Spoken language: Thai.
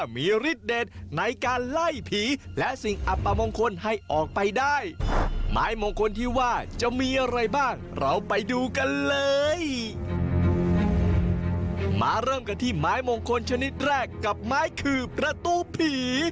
เริ่มกันที่ไม้มงคลชนิดแรกกับไม้คือประตูผี